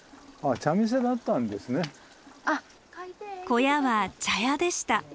小屋は茶屋でした。